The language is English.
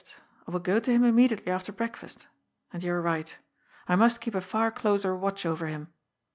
I will go to him immediately after breakfast. And you are right. I must keep a far closer watch over him.